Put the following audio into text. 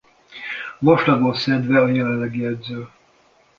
Vastagon szedve a jelenlegi edző.